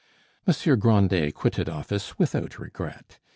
Monsieur Grandet quitted office without regret.